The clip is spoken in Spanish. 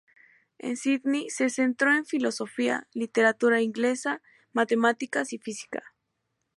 En Sydney se centró en filosofía, literatura inglesa, matemáticas y física.